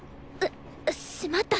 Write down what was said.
しまった！